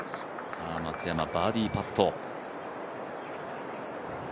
松山、バーディーパット。